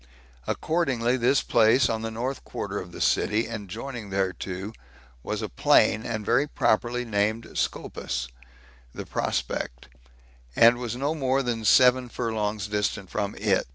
Accordingly, this place, on the north quarter of the city, and joining thereto, was a plain, and very properly named Scopus, [the prospect,] and was no more than seven furlongs distant from it.